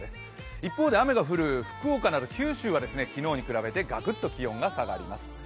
一方で雨が降る福岡など九州は昨日に比べてガクッと気温が下がります。